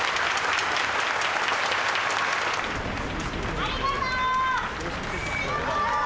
ありがとう。